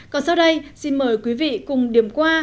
còn sau đây xin mời quý vị cùng điểm qua